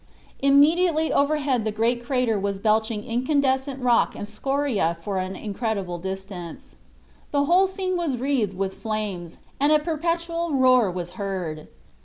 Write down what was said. Immediately overhead the great crater was belching incandescent rock and scoria for an incredible distance. The whole scene was wreathed with flames, and a perpetual roar was heard.